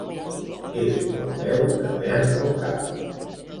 És quan beu que perd el cap.